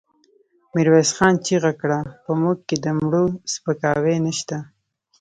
ميرويس خان چيغه کړه! په موږ کې د مړو سپکاوی نشته.